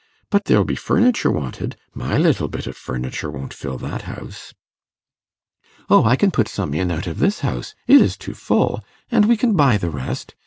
But there'll be furniture wanted. My little bit of furniture won't fill that house.' 'O, I can put some in out of this house; it is too full; and we can buy the rest.